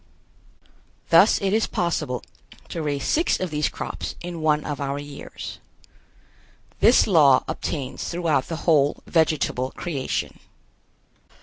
Thus it is possible to raise six of these crops in one of our years. This law obtains throughout the whole vegetable creation.